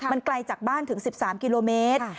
มันไกลจากบ้านถึง๑๓กิโลเมตร